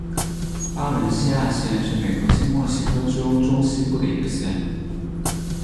巴伦西亚县是美国新墨西哥州中西部的一个县。